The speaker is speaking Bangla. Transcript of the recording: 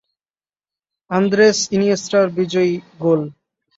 আন্দ্রেস ইনিয়েস্তার বিজয়ী গোল।